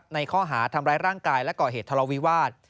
ในข้อหาทำร้ายร่างกายและก่อเหตุทะเลาวิวาส